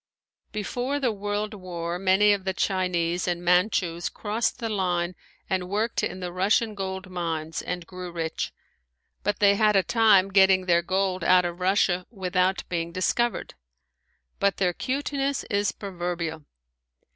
Before the world war many of the Chinese and Manchus crossed the line and worked in the Russian gold mines and grew rich, but they had a time getting their gold out of Russia without being discovered. But their cuteness is proverbial.